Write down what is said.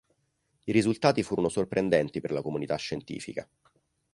I risultati furono sorprendenti per la comunità scientifica.